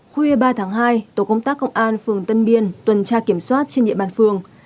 khuya ba tháng hai tổ công tác công an phường tân biên tuần tra kiểm soát trên địa bàn phường